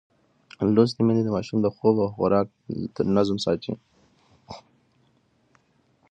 لوستې میندې د ماشوم د خوب او خوراک نظم ساتي.